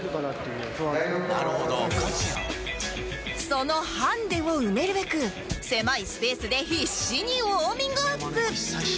そのハンデを埋めるべく狭いスペースで必死にウォーミングアップ